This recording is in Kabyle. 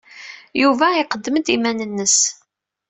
Yuba iqeddem-d iman-nnes.